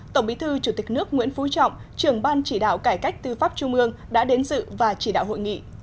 tổng bí thư chủ tịch nước nguyễn phú trọng trưởng ban chỉ đạo cải cách tư pháp trung ương đã đến dự và chỉ đạo hội nghị